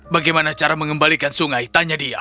bagaimana cara mengembalikan sungai tanya dia